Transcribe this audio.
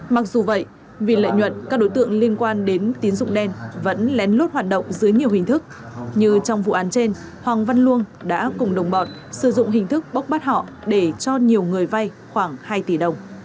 mặc dù vậy vì lợi nhuận các đối tượng liên quan đến tín dụng đen vẫn lén lút hoạt động dưới nhiều hình thức như trong vụ án trên hoàng văn luông đã cùng đồng bọn sử dụng hình thức bốc bắt họ để cho nhiều người vay khoảng hai tỷ đồng